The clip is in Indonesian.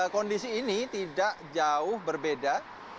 kondisi ini tidak jauh berbeda